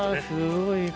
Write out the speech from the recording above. すごい！